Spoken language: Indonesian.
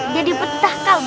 jadi betah kak